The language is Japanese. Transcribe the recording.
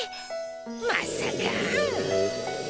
まっさか。